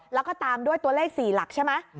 แล้วก็ตามด้วยตัวเลข๔หลักใช่ไหม